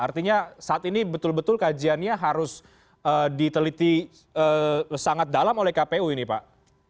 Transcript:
artinya saat ini betul betul kajiannya harus diteliti sangat dalam oleh kpu ini pak